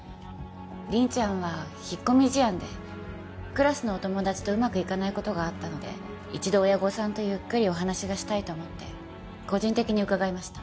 凛ちゃんは引っ込み思案でクラスのお友達とうまくいかない事があったので一度親御さんとゆっくりお話がしたいと思って個人的に伺いました。